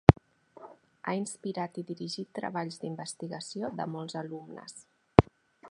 Ha inspirat i dirigit treballs d'investigació de molts alumnes.